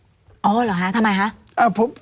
อ๋อเหรอคะทำไมคะ